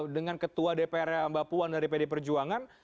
dengan ketua dpr mbak puan dari pd perjuangan